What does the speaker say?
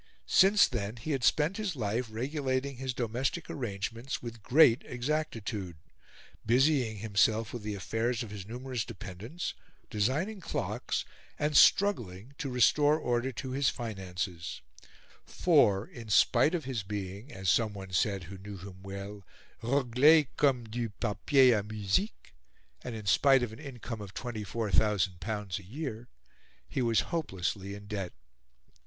Since then he had spent his life regulating his domestic arrangements with great exactitude, busying himself with the affairs of his numerous dependents, designing clocks, and struggling to restore order to his finances, for, in spite of his being, as someone said who knew him well "regle comme du papier a musique," and in spite of an income of L24,000 a year, he was hopelessly in debt.